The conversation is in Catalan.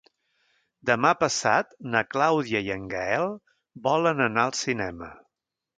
Demà passat na Clàudia i en Gaël volen anar al cinema.